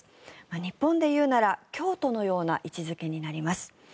日本でいうなら京都のような位置付けになります。